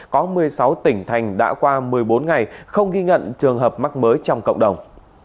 có một mươi sáu tỉnh thành đã qua một mươi bốn ngày không ghi nhận trường hợp mắc mới trong cộng đồng